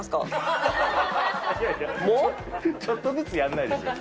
いやいやちょっとずつやらないですよ。